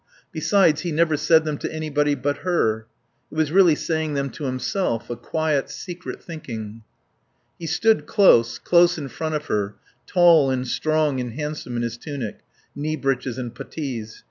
Besides, he never said them to anybody but her. It was really saying them to himself, a quiet, secret thinking. He stood close, close in front of her, tall and strong and handsome in his tunic, knee breeches and puttees.